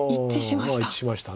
一致しました。